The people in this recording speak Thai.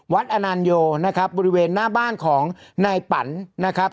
อนันโยนะครับบริเวณหน้าบ้านของนายปั่นนะครับ